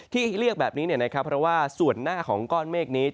ที่เรียกแบบนี้นะครับเพราะว่าส่วนหน้าของก้อนเมฆนี้